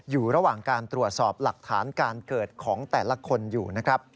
อยู่ระหว่างการตรวจสอบหลักฐานการเกิดของแต่ละคนอยู่นะครับ